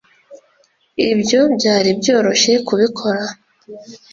ibyo byari byoroshye kubikora.